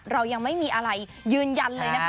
เรายังไม่มีอะไรยืนยันเลยนะคะ